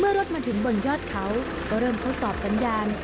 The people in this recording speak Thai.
เมื่อรถมาถึงบนยอดเขาก็เริ่มเข้าสอบสัญญาณ